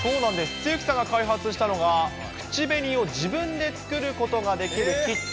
露木さんが開発したのが、口紅を自分で作ることができるキット。